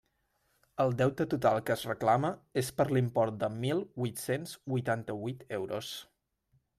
El deute total que es reclama és per l'import de mil huit-cents huitanta-huit euros.